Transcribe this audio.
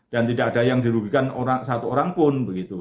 dan tidak ada yang dirugikan satu orang pun begitu